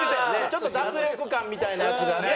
ちょっと脱力感みたいなやつがね